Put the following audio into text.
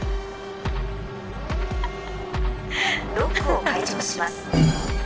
ロックを開錠します。